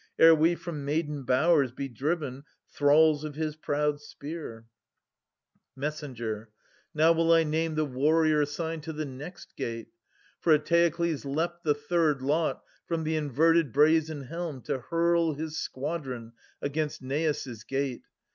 Ere we from maiden bowers be driven, thralls Of his proud spear ! THE SE VEN A GA INST THEBES. 23 Messenger. Now will I name the warrior assigned To the next gate. For Eteoklus leapt The third lot from the inverted brazen helm To hurl his squadron against Neis' gate.